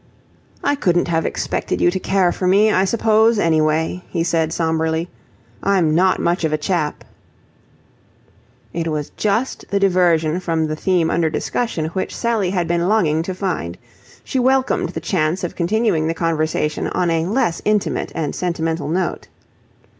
"I couldn't have expected you to care for me, I suppose, anyway," he said, sombrely. "I'm not much of a chap." It was just the diversion from the theme under discussion which Sally had been longing to find. She welcomed the chance of continuing the conversation on a less intimate and sentimental note.